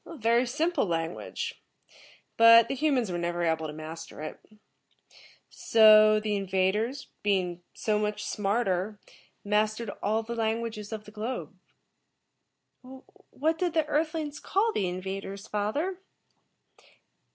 "A very simple language, but the humans were never able to master it. So, the invaders, being so much smarter, mastered all the languages of the globe." "What did the Earth lings call the invaders, father?"